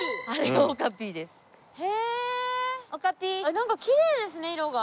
なんかきれいですね色が。